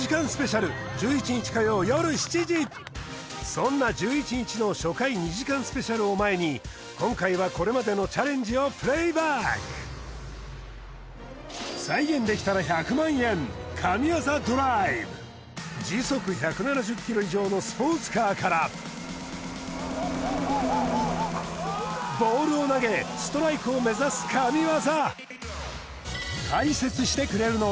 そんな１１日の初回２時間ＳＰを前に今回はこれまでのチャレンジをプレイバック時速１７０ｋｍ以上のスポーツカーからボールを投げストライクを目指す神業